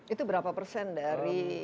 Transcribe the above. itu berapa persen dari